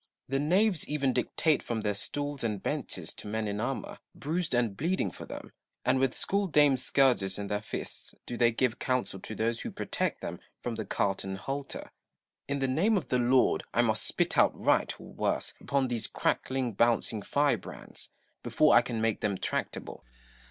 The knaves even dictate from their stools and benches to men in armour, bruised and bleeding for them ; and with school dame's scourges in their fists do they give counsel to those who protect them from the cart and halter. In the name of the Lord, I must spit outright (or worse) upon these crackling bouncing firebrands, before I can make them tractable. Noble.